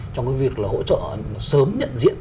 trong việc hỗ trợ sớm nhận diện